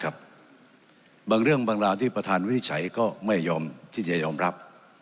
บางเรื่องบางราวที่ประธานวินิจฉัยก็ไม่ยอมที่จะยอมรับ